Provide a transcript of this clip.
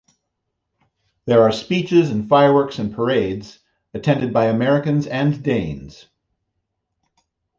There are speeches and fireworks and parades, attended by Americans and Danes.